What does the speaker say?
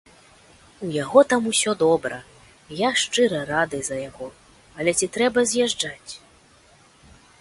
У яго там усё добра, я шчыра рады за яго, але ці трэба з'язджаць?